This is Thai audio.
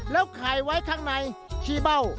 แล้วขายไว้ข้างในชี้เบ้า